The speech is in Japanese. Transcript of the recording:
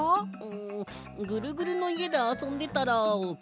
んぐるぐるのいえであそんでたらおくれちゃった。